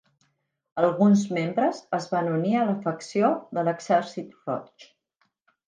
Alguns membres es van unir a la facció de l'Exèrcit Roig.